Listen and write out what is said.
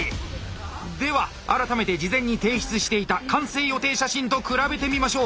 では改めて事前に提出していた完成予定写真と比べてみましょう。